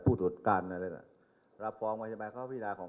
ผู้สุดการอะไรแหละรับฟ้องมาใช่ไหมเขาพี่นาของ